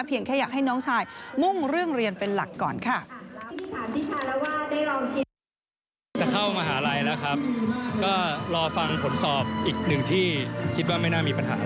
แค่อยากให้น้องชายมุ่งเรื่องเรียนเป็นหลักก่อนค่ะ